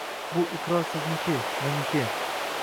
Bu iqror sizniki, meniki.